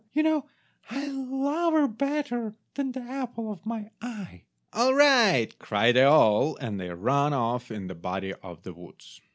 You know I love her better than the apple of my eye." "All right," cried they all, and they ran off in a body to the woods.